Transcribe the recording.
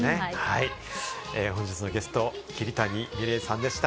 本日のゲスト、桐谷美玲さんでした。